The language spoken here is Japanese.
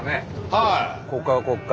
はい。